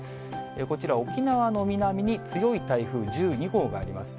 こちら、沖縄の南に、強い台風１２号があります。